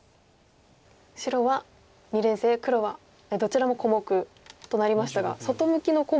白は二連星黒はどちらも小目となりましたが外向きの小目ですね。